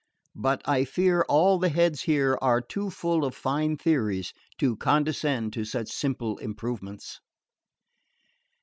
But I fear all the heads here are too full of fine theories to condescend to such simple improvements...